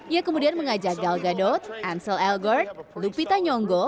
ia kemudian mengajak gal gadot ansel elgort lupita nyonggo